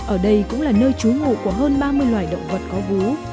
ở đây cũng là nơi trú ngụ của hơn ba mươi loài động vật có vú